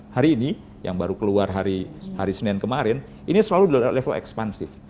hari ini yang baru keluar hari senin kemarin ini selalu ada level ekspansif